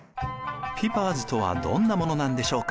ピパーズとはどんなものなんでしょうか。